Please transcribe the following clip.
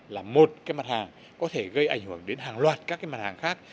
là một cái mặt hàng có thể gây ảnh hưởng đến hàng loạt các cái mặt hàng khác